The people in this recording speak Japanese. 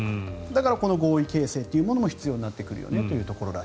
だから、この合意形成も必要になってくるよねと。